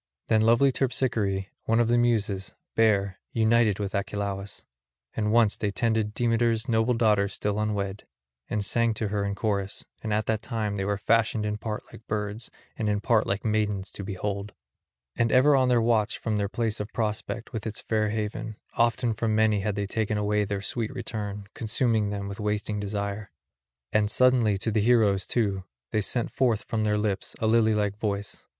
Them lovely Terpsichore, one of the Muses, bare, united with Achelous; and once they tended Demeter's noble daughter still unwed, and sang to her in chorus; and at that time they were fashioned in part like birds and in part like maidens to behold. And ever on the watch from their place of prospect with its fair haven, often from many had they taken away their sweet return, consuming them with wasting desire; and suddenly to the heroes, too, they sent forth from their lips a lily like voice.